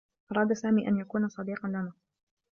أراد سامي أن يكون صديقا لنا.